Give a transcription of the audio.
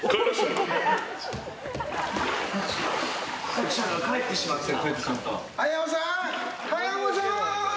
作者が帰ってしまったよ。